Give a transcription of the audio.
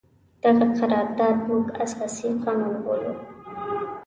دغه قرارداد موږ اساسي قانون بولو.